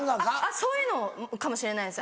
そういうのかもしれないです